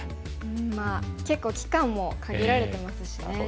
まあ結構期間も限られてますしね。